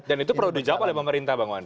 dan itu perlu dijawab oleh pemerintah bang wandi